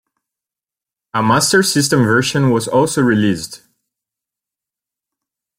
A Master System version was also released.